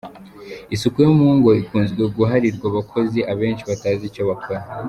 Isuku yo mu ngo ikunze guharirwa abakozi, abenshi batazi icyo bakora